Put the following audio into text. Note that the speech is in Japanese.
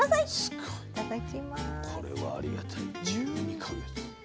すごいこれはありがたい１２か月。